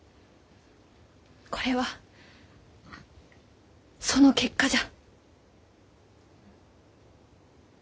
これはその結果じゃ。